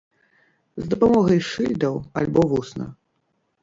З дапамогай шыльдаў, альбо вусна.